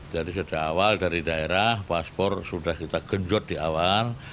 jadi sudah awal dari daerah paspor sudah kita genjot di awal